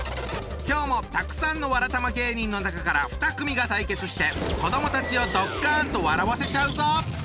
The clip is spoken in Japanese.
今日もたくさんのわらたま芸人の中から２組が対決して子どもたちをドッカンと笑わせちゃうぞ！